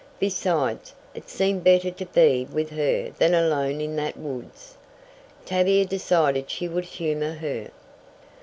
Besides, it seemed better to be with her than alone in that woods. Tavia decided she would humor her.